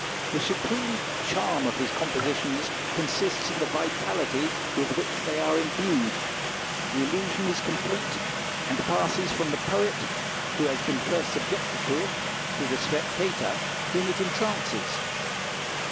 The supreme charm of his compositions consists in the vitality with which they are imbued. The illusion is complete, and passes from the poet who has been first subjected to it, to the spectator, whom it entrances.